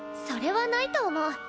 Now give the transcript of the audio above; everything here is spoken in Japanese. それはないと思う。